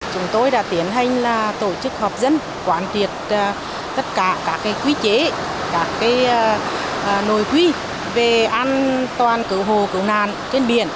chúng tôi đã tiến hành tổ chức họp dân quản tuyệt tất cả các quy chế các nồi quy về an toàn cứu hồ cứu nàn trên biển